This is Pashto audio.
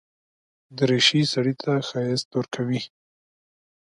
دریشي سړي ته ښايست ورکوي.